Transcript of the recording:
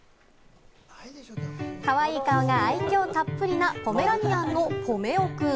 かわいい顔が愛嬌たっぷりなポメラニアンのぽめおくん。